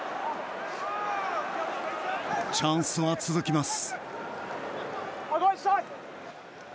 チャンスは続きます。